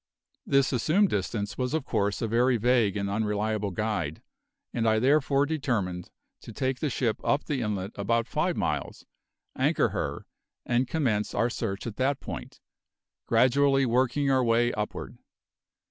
This assumed distance was of course a very vague and unreliable guide, and I therefore determined to take the ship up the inlet about five miles, anchor her, and commence our search at that point, gradually working our way upward.